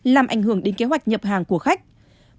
làm ảnh hưởng đến kế hoạch nhập hàng của khách